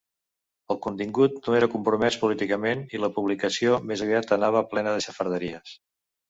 El contingut no era compromès políticament i la publicació més aviat anava plena de xafarderies.